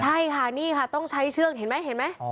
ใช่ค่ะนี่ค่ะต้องใช้เชือกเห็นไหม